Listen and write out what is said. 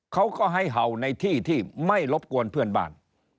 เขาก็ให้เห่าในที่ที่ไม่รบกวนเพื่อนบ้าน